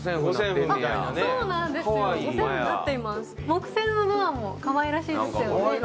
木製のドアもかわいらしいですよね。